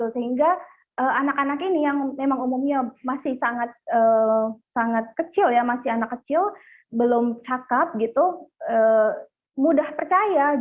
sehingga anak anak ini yang memang umumnya masih sangat kecil ya masih anak kecil belum cakep gitu mudah percaya